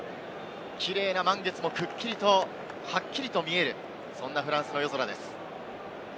キレイな満月もくっきりとはっきりと見える、そんなフランスの夜空です。